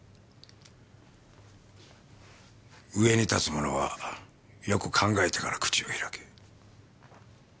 上に立つ者はよく考えてから口を開け。